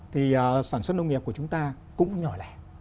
thì sản xuất nông nghiệp của chúng ta cũng nhỏ lẻ